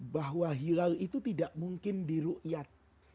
bahwa hilal itu tidak mungkin di ru'yat